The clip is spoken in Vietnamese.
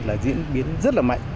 là diễn biến rất là mạnh